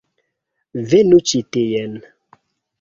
Venu ĉi tien.